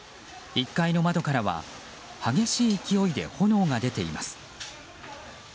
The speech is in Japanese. １階の窓からは激しい勢いで炎が出ています。